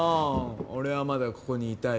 俺はまだここにいたい。